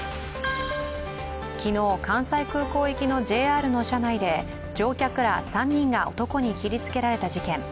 昨日、関西空港行きのＪＲの車内で乗客ら３人が男に切りつけられた事件。